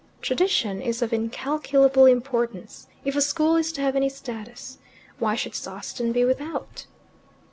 Tradition is of incalculable importance, if a school is to have any status. Why should Sawston be without?"